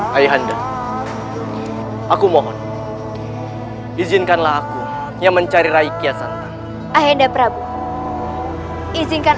hai anda aku mohon izinkanlah aku yang mencari rakyat santan aida prabu izinkan